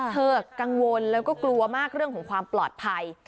กังวลแล้วก็กลัวมากเรื่องของความปลอดภัย